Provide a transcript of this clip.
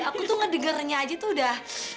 aku tuh ngedengarnya aja tuh udah